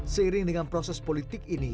seiring dengan proses politik ini